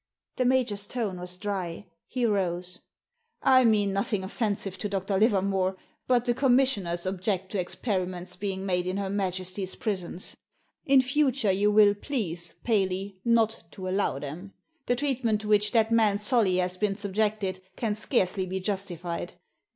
The major's tone was dry. He rose. " I mean nothing offensive to Dr. Livermore, but the Commissioners object to ex periments being made in Her Majesty's prisons. In future you will please, Paley, not to allow them. The treatment to which that man Solly has been sub jected can scarcely be justified.